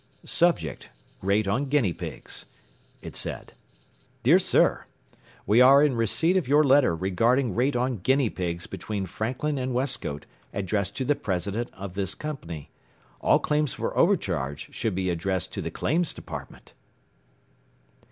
“Subject Rate on guinea pigs,” it said, “Dr. Sir We are in receipt of your letter regarding rate on guinea pigs between Franklin and Westcote addressed to the president of this company. All claims for overcharge should be addressed to the Claims Department.